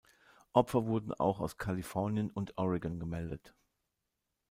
Opfer wurden auch aus Kalifornien und Oregon gemeldet.